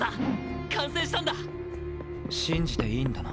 信じていいんだな。